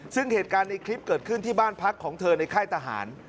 ซึ่งเหตุการณ์ในคลิปเกิดขึ้นที่บ้านพักของเธอในค่ายทหาร